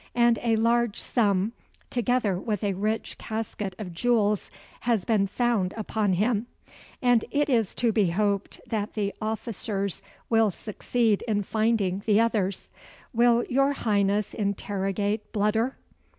"And a large sum, together with a rich casket of jewels, has been found upon him; and it is to be hoped that the officers will succeed in finding the others. Will your Highness interrogate Bludder?"